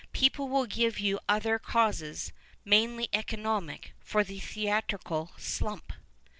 People will give you other causes, mainly economic, for the theatrical " slump."